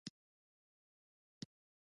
ایا تاسو د زړه ډاکټر یاست؟